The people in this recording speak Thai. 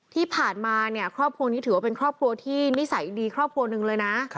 ที่ผ่านมาเนี่ยครอบครัวนี้ถือว่าเป็นครอบครัวที่นิสัยดีครอบครัวหนึ่งเลยนะ